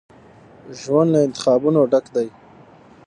ژوند له انتخابونو ډک دی.